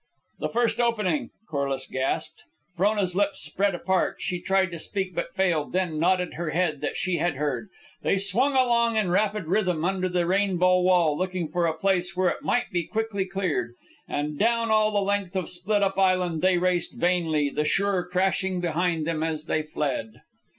"The first opening," Corliss gasped. Frona's lips spread apart; she tried to speak but failed, then nodded her head that she had heard. They swung along in rapid rhythm under the rainbow wall, looking for a place where it might be quickly cleared. And down all the length of Split up Island they raced vainly, the shore crashing behind them as they fled.